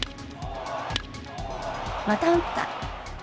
また打った。